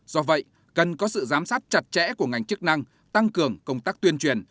do vậy cần có sự giám sát chặt chẽ của ngành chức năng tăng cường công tác tuyên truyền